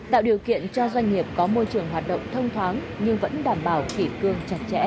tạo điều kiện cho doanh nghiệp có môi trường hoạt động thông thoáng nhưng vẫn đảm bảo kỷ cương chặt chẽ